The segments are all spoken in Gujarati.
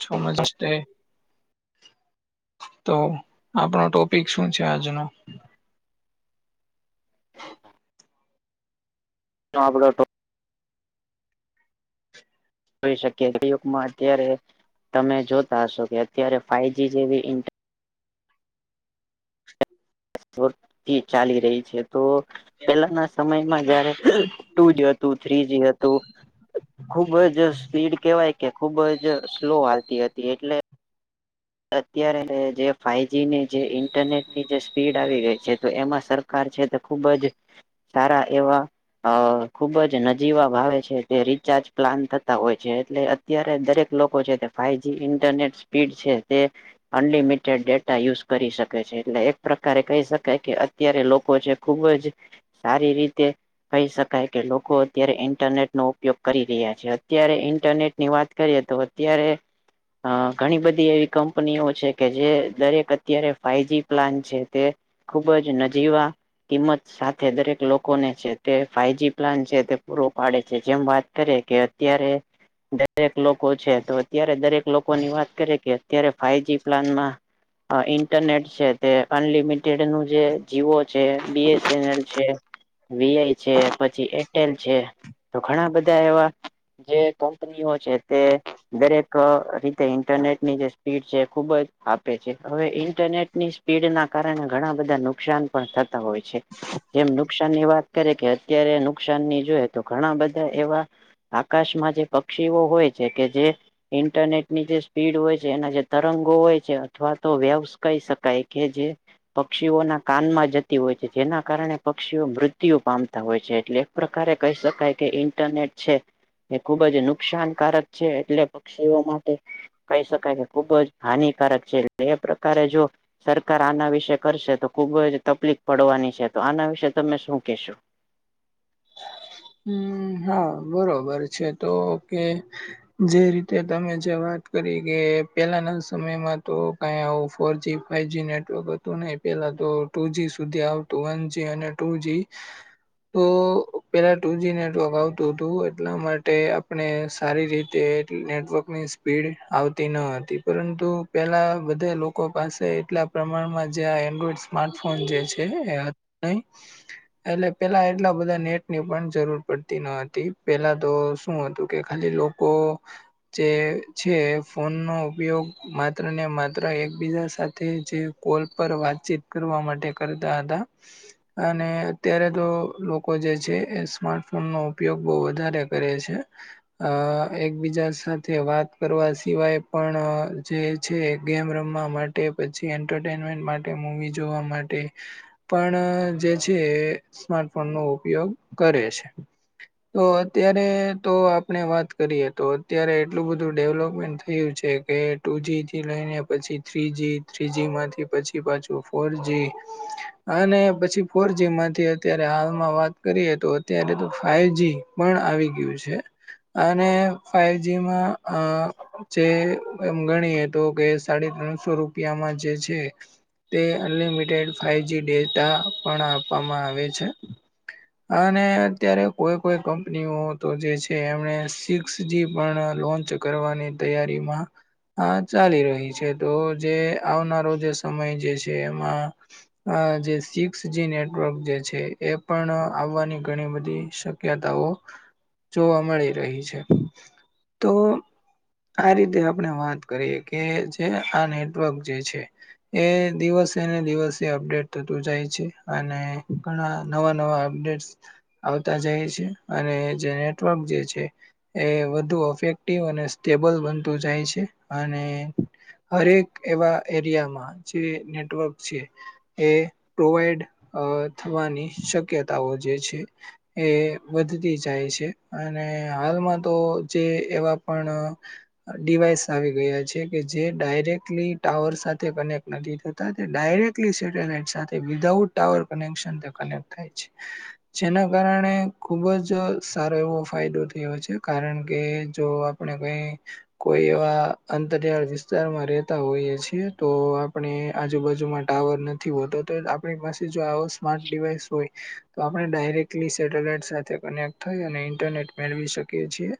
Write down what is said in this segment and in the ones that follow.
છો માં સજ્તે હપ્તા ઓ આપણો ટોપિક શું છે આજનો સાંભળો તો જોઈ શકી યુગમાં અત્યારે તમે જોતા હશો કે અત્યારે ફાઈવજી જેવી ઇન્ટ જોત થી ચાલી રહી છે તો પેલાના સમયમાં જયારે ટુ જ હતું થ્રીજી હતું. ખુબ જ સ્પીડ કેવાય કે ખુબ જ સ્લો હાલતી હતી એટલે અત્યારે જે ફાઈવજીની જે ઇન્ટરનેટની જે સ્પીડ આવી ગઈ છે તો એમાં સર કાર છે તે ખુબ જ સારા એવા અ ખુબ જ નજીવા ભાવે છે તે રિચાર્જ પ્લાન થતા હોય છે એટલે અત્યારે દરેક લોકો છે તે ફાઈવ જી ઇન્ટરનેટ સ્પીડ છે તે અનલિમિટેડ ડેટા યુઝ કરી શકે છે એટલે એક પ્રકારે કહી શકાય કે અત્યારે લોકો છે. ખુબ જ સારી રીતે. કહી શકાય કે લોકો અત્યારે ઈન્ટરનેટ નો ઉપયોગ કરી રહ્યા છે અત્યારે ઈન્ટરનેટ ની વાત કરીએ તો અત્યારે અ ઘણી બધી એવી કંપનીઓ છે કે જે દરેક અત્યારે ફાઈવ જી પ્લાન છે તે. ખુબ જ નજીવા કિંમત સાથે દરેક લોકોને છે તે ફાઈવજી પ્લાન છે તે પૂરો પાડે છે જેમ વાત કરી કે. અત્યારે દરેક લોકો છે તો અત્યારે દરેક લોકોની વાત કરે કે. અત્યારે ફાઈવ જી પ્લાનમાં અ ઇન્ટરનેટ છે તે અનલિમિટેડ નું જે. જીવો છે બી એસએનલ છે. વીઆઈ છે પછી એરટેલ છે તો ઘણા બધા એવા. જે કંપનીઓ છે તે દરેક અ રીતે ઇન્ટરનેટની જે. સ્પીડ છે ખુબ જ આપે છે હવે ઇન્ટરનેટની સ્પીડ ના કારણે ઘણા બધા નુકસાન પણ થતા હોય છે. જેમ નુકસાન ની વાત કરે કે અત્યારે નુકસાન ની જોએ તો ઘણા બધા એવા આકાશમાં જે પક્ષીઓ હોય છે કે જે ઇન્ટરનેટની જે સ્પીડ હોય જે એના જે તરંગો હોય છે અથવા તો વ્યવસ કહી શકાય કે જે. પક્ષીઓના કાનમાં જતી હોય છે જેના કારણે પક્ષીઓ મૃત્યુ પામતા હોય છે એટલે પ્રકારે કહી શકાય કે ઇન્ટરનેટ છે. એ ખુબજ નુકસાનકારક છે, એટલે પક્ષીઓ માટે કહી શકાય. ખુબ જ હાનિકારક છે, એટલે એ પ્રકારેજો. સરકાર આના વિશે કરશે તો ખુબ જ તકલીફ પડવાની છે, તો આના વિશે તમે શું કેશો. હુ, હા બરોબર છે, તો કે. જે રીતે તમે જે વાત કરીકે પેલાના સમયમાં તો કંઈ આવું ફોરજી. ફાઈવજી નેટવર્ક હતું, નહીં પેલા તો ટુ જી સુધી આવતું વનજી અને ટુજી તો. પહેલાં ટુજી નેટવર્ક આવતું તું એટલા માટે આપણે સારી રીતે નેટવર્કની સ્પીડ આવતી ન હતી, પરંતુ પેલા બધા લોકો પાસે એટલા પ્રમાણમાં જે એન્ડ્રોઈડ સ્માર્ટફોન જે છે, એ નહીં. એટલે પેલા એટલા બધા નેટ. ની પણ જરૂર પડતી ન હતી, પેલા તો શું હતું કે ખાલી લોકો જે છે, ફોનનો ઉપયોગ માત્ર ને માત્ર એકબીજા સાથે જે. કોલપર વાતચીત કરવા માટે કરતા હતા. અને અત્યારે તો લોકો જે. છે એ સ્માર્ટફોન નો ઉપયોગ બહુ વધારે કરે છે. અ એકબીજા સાથે વાત કરવા સિવાય પણ જે. છે, ગેમ રમવા માટે પછી એન્ટરટેનમેન્ટ માટે મૂવી જોવા માટે. પણજે છે, સ્માર્ટફોનનો ઉપયોગ કરે છે. તો અત્યારે તો આપણે વાત કરીએતો અત્યારે એટલું બધું ડેવલોપમેન્ટ થયું છે. કે ટુજીથી લઈને પછી થ્રીજી થ્રી જીમાંથી પછી પાછું ફોરજી. અને પછી ફોરજીમાંથી અત્યારે હાલમાં વાત કરીએ તો અત્યારે તો ફાઈવજી પણ આવી ગયું છે. અને ફાઈવ જી માં આ. જે એમ ગણીએ તોકે સાડી ત્રણસો રૂપિયામાં જે છે. તે અનલિમિટેડ ફાઇવજી ડેટા પણ આપવામાં આવે છે. અને અત્યારે કોઈ કોઈ કંપનીઓ તોજે છે, એમણે સિક્સજી પણ લોન્ચ. કરવાની તૈયારીમાં. હા ચાલી રહી છે, તોજે આવનારોજે સમય જે છે, એમાં અ જે સિક્સજી નેટવર્ક જે છે, એ પણ આવવાની ઘણી બધી શક્યતાઓ જોવા મળી રહી છે, તો આ રીતે આપણે વાત કરીએ કેજે આ નેટવર્ક જે છે, એ દિવસેને દિવસે અપડેટ થતું જાય છે, અને ઘણા નવા નવા અપડેટ આવતા જાય છે, અને જે નેટવર્ક જે છે. એ વધુ અફેક્ટિવ અને સ્ટેબલ બનતું જાય છે, અને હા, એક એવા એરિયામાં જે નેટવર્ક છે. એ પ્રોવાઈડ થવાની શક્યતાઓ જે છે, એ વધતી જાય છે, અને હાલમાં તોજે એવા પણ ડિવાઈસ આવી ગયા છે, કેજે ડાયરેક્ટલી ટાવર સાથે કનેક્ટ નથી થતાં. ડાયરેકલી સેટેલાઈટ સાથે વિધાઉટ ટાવર કનેક્શન તે કનેક્ટ થાય છે. જેના કારણે ખુબ જ સારો એવો ફાયદો થયો છે, કારણ કેજો આપણે કંઈ કોઈ એવા અંતરિયાળ વિસ્તારમાં રહેતા હોઈએ છીએ, તો આપણે આજુ બાજુમાં ટાવર નથી, હોતોતો આપણી પાસે જો આવો સ્માર્ટ ડિવાઈસ હોય તો આપણે ડાયરેક્ટલી સેટેલાઈટ સાથે કનેક્ટ થઈ અને ઇન્ટરનેટ મેળવી શકીએ છીએ.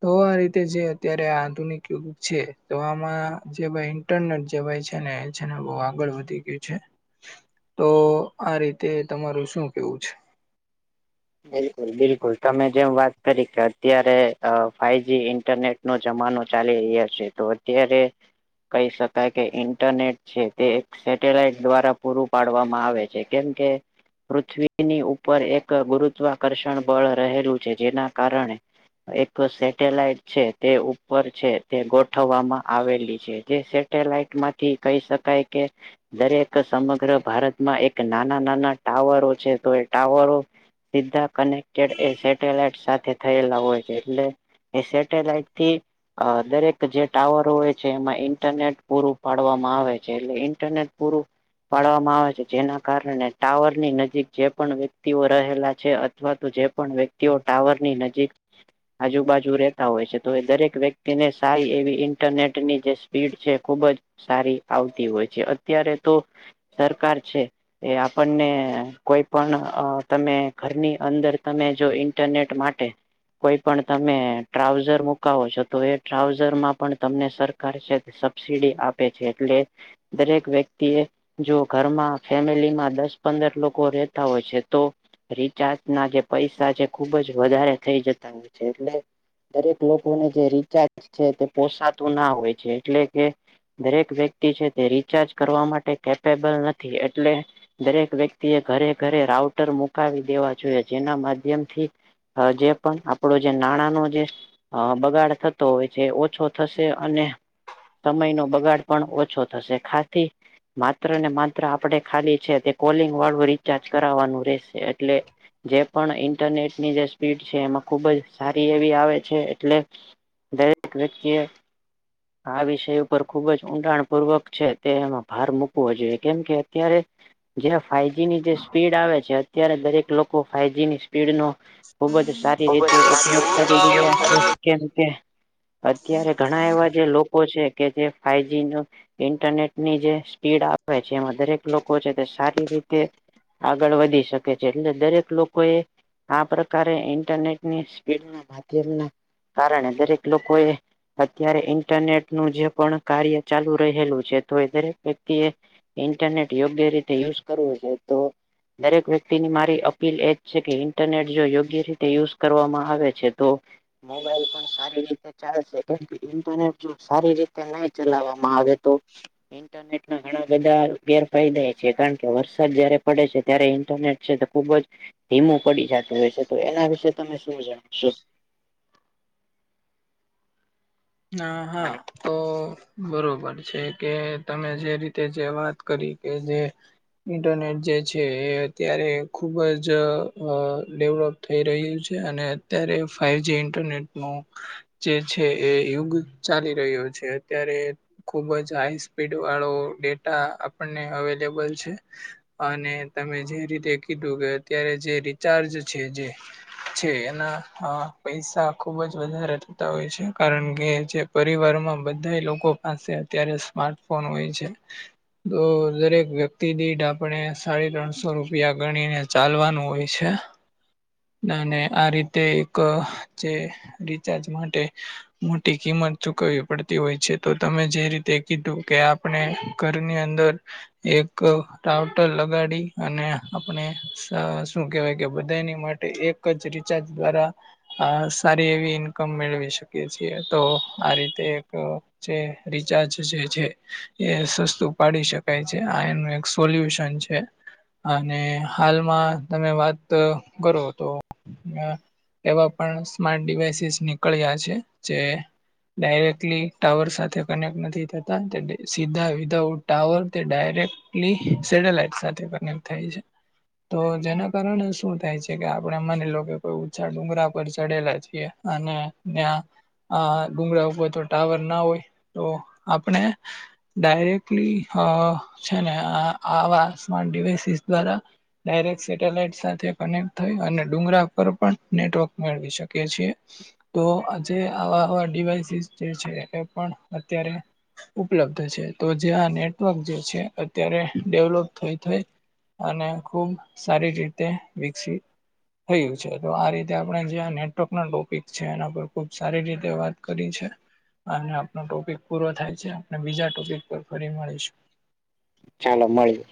તોઆ રીતે જે અત્યારે આધુનિક યુગ છે, તો આમાં જે ભાઈ ઇંટરનેટ જવાય છે, ને છે ને બહુ આગળ વધી ગયું છે. તોઆ રીતે તમારું શું કેવું છે? બિલકુલ, બિલકુલ તમે જેમ વાત કરીકે અત્યારે ફાઈવજી ઇન્ટરનેટ નો જમાનો ચાલી રહ્યા છે તો અત્યારે કહી શકાય કે ઇન્ટરનેટ છે તે સેટેલાઈટ દ્વારા પૂરું પાડવામાં આવે છે, કેમ કે! પૃથ્વીની ઉપર એક ગુરુત્વાકર્ષણ બળ રહેલું છે, જેના કારણે એક સેટેલાઈટ છે, તે ઉપર છે તે ગોઠવવામાં આવેલી છે. જે સટેલાઈટ માંથી કહી શકાય કે દરેક સમગ્ર ભારતમાં એક નાના નાના ટાવરો છે તો એ ટાવરો સીધા કનેક્ટેડ એ સેટેલાઈટ સાથે થયેલા હોય છે, એટલે એ સેટેલાઈટથી અ દરેક જે ટાવર હોય છે, એમાં ઈન્ટરનેટ પૂરું પાડવામાં આવે છે એટલે ઈન્ટરનેટ પૂરું પાડવામાં આવે છે, જેના કારણે ટાવર ની નજીક જે પણ વ્યક્તિઓ રહેલા છે, અથવા તો જે પણ વ્યક્તિઓ ટાવર ની નજીક આજુબાજુ રહેતા હોય છે, તો એ દરેક વ્યક્તિને સારી એવી ઇન્ટરનેટની જે સ્પીડ છે ખુબ જ સારી આવતી હોય છે. અત્યારે તો સરકાર છે એ આપણને કોઈ પણ તમે ઘરની અંદર તમે જો ઇન્ટરનેટ માટે કોઈ પણ તમે ટ્રાઉઝર મુકાવો છો તો એ ટ્રાઉઝર માં પણ તમને સરકાર છે. સબસીડી આપે છે, એટલે દરેક વ્યક્તિએ જો ઘરમાં ફેમિલીમાં દસ પંદર લોકો રહેતા હોય છે તો રિચાર્જ ના જે પૈસા છે, ખુબ જ વધારે થઈ જતા હોય છે એટલે દરેક લોકોને જે રિચાર્જ છે તે પોસાતું ના હોય છે એટલે કે દરેક વ્યક્તિ છે, તે રિચાર્જ કરવા માટે કેપેબલ નથી. એટલે દરેક વ્યક્તિ એ ઘરે ઘરે રાઉટર મુક મુકાવ દેવા જોઈએ જેના માધ્યમથી જે પણ આપડો જે નાણાંનો જે બગાડ થતો હોય છે ઓછો થશે અને સમય નો બગાડ પણ ઓછો થશે ખાથી માત્ર ને માત્ર આપડે ખાલી છે તે કોલિંગ વાળું રીચાર્જ કરાવવાનું રહેશે. એટલે. જે પણ ઇન્ટરનેટ ની જે સ્પીડ છે એમાં ખુબ જ સારી એવી આવે છે, એટલે દરેક વ્યક્તિએ આ વિષય ઉપર ખુબ જ ઊંડાણ પૂર્વક છે, તે એમાં ભાર મૂકવો જોઈએ કેમ કે અત્યારે જે ફાઇવજી ની જે સ્પીડ આવે છે અત્યારે દરેક લોકો ફાઈવજી ની પીડ નો ખુબ જ સારી રીતે ઉપયોગ કરી રહ્યા છે કેમ કે. અત્યારે ઘણા એવા જે લોકો છે કે જે ફાઈવજી નો ઇન્ટરનેટની જે સ્પીડ આપે છે એમાં દરેક લોકો છે તે સારી રીતે આગળ વધી શકે. એટલે દરેક લોકોએ આ પ્રકારે ઇન્ટરનેટની સ્પીડ ના મધ્યના. [unintelligible] કારણ દરેક લોકો એ. અત્યારે ઇન્ટરનેટ નું જે પણ કાર્ય ચાલુ રહેલું છે તો એ દરેક વ્યક્તિ એ. ઇન્ટરનેટ યોગ્ય રીતે યુઝ કરવું છે તો દરેક વ્યક્તિ. તિની મારી અપીલ એજ છે કે ઇન્ટરનેટ જો યોગ્ય રીતે યુઝ કરવામાં આવે છે તો. મોબાઈલ પણ સારી રીતે ચાલશે કેમ કે ઇન્ટરનેટ જો સારી રીતે નહી ચલાવા. મારે તો ઇન્ટરનેટ ઘણા બધા ગેરફાયદા એ છે કારણ કે વરસાદ જયારે પડે છે ત્યારે ઇન્ટરનેટ છે તો ખુબ જ ધીમો પડી જતું હોય છે. તો એના વિશે તમે શું જણાવશો? ના હા [unintelligible] તો બરોબર છે કે તમે જે રીતે જે વાત કરી કે જે. ઇન્ટરનેટ જે છે એ અત્યારે ખૂબ જ ડેવલપ. થઈ રહ્યું છે અને અત્યારે ફઇવ જ ઇન્ટરનેટનું જે છે. એ યુગ ચાલી રહ્યો છે અત્યારે. ખુબ જ હાઈ સ્પીડ વાળો ડેટા આપણને અવેલેબલ છે. અને તમે જે રીતે કીધું કે અત્યારે જે રિચાર્જ છે જે છે એના પૈસા ખુબ જ વધારે થતા હોય છે. કારણ કે જે પરિવારમાં બધા લોકો પાસે અત્યારે સ્માર્ટફોન હોય છે. તો દરેક વ્યક્તિ દીઠ આપણે સાડી ત્રણસો રૂપિયા ગણીને ચાલવાનું હોય છે. [unintelligible] આ રીતે એક જે રિચાર્જ માટે મોટી કિંમત ચૂકવવી પડતી હોય છે તો તમે જે રીતે કીધું કે આપણે ઘરની અંદર એક ટઉટર લગાડી અને આપણે શું કેહેવાય કે બધાની માટે એક જ રિચાર્જ દ્વારા સારી એવી ઇન્કમ મેળવી શકે. છએ તો આ રીતે એક જે રિચાર્જ જે છે એ સસ્તું પાડી શકાય છે આનું. પોલ્યુશન છે. અને હાલમાં તમે વાત કરો તો. એવા પણ સ્માર્ટ ડિવાઈસીસ નીકળ્યા છે જે ડાયરેક્ટલી ટાવર સાથે કનેક્ટ નથી થતા. સીધા વિધઉટ ટાવર તે ડાયરેક્ટલી સેટેલાઈટ સાથે કનેક્ટ થાય છે. તો જેના કારણે શું થાય છે કે આપડણે મની લો કે કોઈ ઓછા ડુંગરા પર ચડેલા છીએ. અને ત્યાં આ ગુગરાહ હોય તો ટાવર ના હોય તો આપણે ડાયરેક્ટલી છે ને આવા સ્માર્ટ ડડીવાઈસીસ દ્વારા ડાયરેક્ટ સેટેલાઈટ સાથે કનેક્ટ થઈ અને ડુંગરા પર પણ નેટવર્ક મેળવી શકી છીએ. તો આ જે આવા આવા ડિવાસીસ જે છે એ પણ અત્યારે ઉપલબ્ધ છે તો જે આ નેટવર્ક જે છે અત્યારે ડેવલોપ થઈ થઈ. અને ખુબ સારી રીતે વિકસી. થયું છે તો આ રીતે આપણે જે નેટવર્ક ના ટોપિક છે એના પર. ખુબ સારી રીતે વાત કરી છે. અને આપનો ટોપિક પૂરો થાય છે આપ બીજા ટોપિક પર ફરી મળીશું. ચાલો મળી.